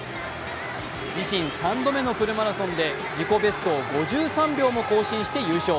自身３度目のフルマラソンで自己ベストを５３秒も更新して優勝。